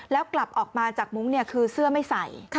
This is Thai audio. แล้วกลับออกมาจากมุ้งคือเสื้อไม่ใส่